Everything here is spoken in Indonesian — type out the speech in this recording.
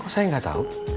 kok saya gak tau